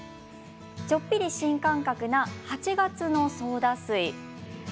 ちょっぴり新感覚な「８月のソーダ水」です。